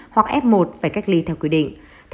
hoặc f một phải cách ly theo quy định